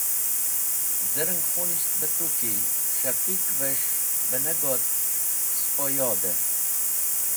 Z̃ereng khunisht be tu ki s̃hapik’ves̃h be ne got, spo yoder.